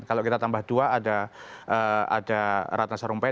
kalau kita tambah dua ada ratna sarumpait